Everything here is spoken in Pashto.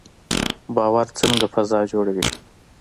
باور څنګه فضا جوړوي؟